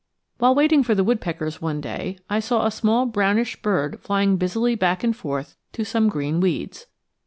While waiting for the woodpeckers one day I saw a small brownish bird flying busily back and forth to some green weeds.